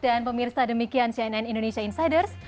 dan pemirsa demikian cnn indonesia insiders